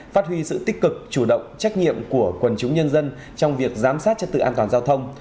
phát huy sự tích cực chủ động trách nhiệm của quần chúng nhân dân trong việc giám sát chất tự an toàn giao thông